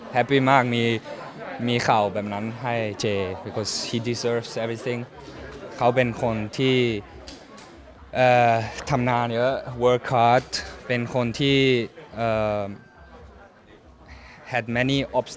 ฮัพพี่มากมีข่าวแบบนั้นให้เจเพราะว่าเขาควรร้ายทุกอย่าง